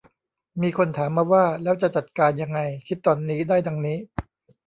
มีคนถามมาว่า แล้วจะจัดการยังไง คิดตอนนี้ได้ดังนี้